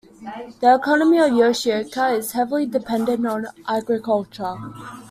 The economy of Yoshioka is heavily dependent on agriculture.